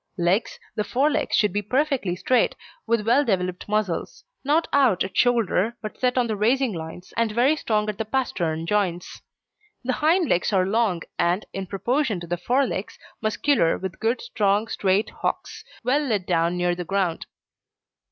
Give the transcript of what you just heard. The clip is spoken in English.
LEGS The fore legs should be perfectly straight, with well developed muscles; not out at shoulder, but set on the racing lines, and very strong at the pastern joints. The hind legs are long and, in proportion to the fore legs, muscular, with good strong, straight hocks, well let down near the ground.